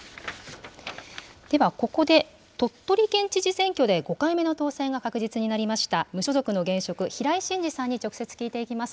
では、ここで、鳥取県知事選挙で５回目の当選が確実になりました、無所属の現職、平井伸治さんに直接聞いていきます。